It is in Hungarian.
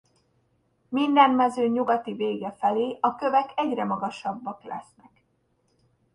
Minden mező nyugati vége felé a kövek egyre magasabbak lesznek.